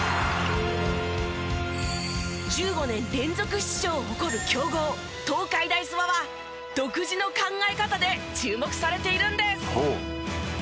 １５年連続出場を誇る強豪東海大諏訪は独自の考え方で注目されているんです。